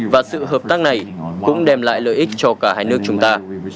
và sự hợp tác này cũng đem lại lợi ích cho cả hai nước chúng ta